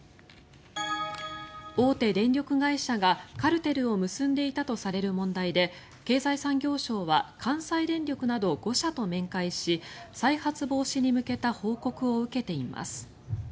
大手電力会社が、カルテルを結んでいたとされる問題で経済産業省は関西電力など５社と面会し再発防止に向けた報告を受けています。